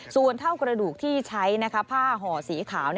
ส่วนเท่ากระดูกที่ใช้ผ้าห่อสีขาว